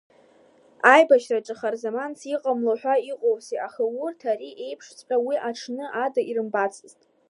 Аибашьраҿы харзаманс иҟамло ҳәа иҟоузеи, аха урҭ ари еиԥшҵәҟьа уи аҽны ада ирымбацызт.